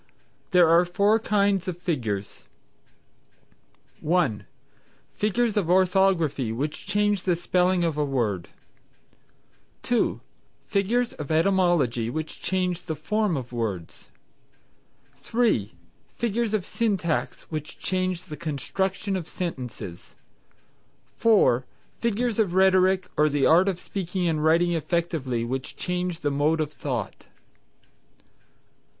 There are four kinds of figures, viz.: (1) Figures of Orthography which change the spelling of a word; (2) Figures of Etymology which change the form of words; (3) Figures of Syntax which change the construction of sentences; (4) Figures of Rhetoric or the art of speaking and writing effectively which change the mode of thought.